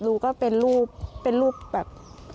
แล้วพอเปิดรูก็เป็นรูปแบบ